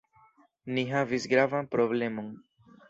Ni havis gravan problemon.